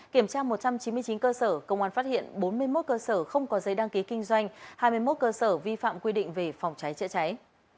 kiểm tra một trăm chín mươi chín cơ sở công an phát hiện bốn mươi một cơ sở không có giấy đăng ký kinh doanh hai mươi một cơ sở vi phạm quy định về phòng cháy chữa cháy